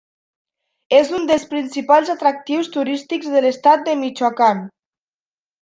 És un dels principals atractius turístics de l'estat de Michoacán.